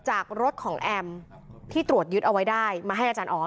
จากรถของแอมที่ตรวจยึดเอาไว้ได้มาให้อาจารย์ออส